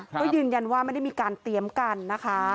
ก็ยืนยันว่าไม่ได้มีการเตรียมกันนะคะ